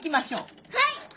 はい。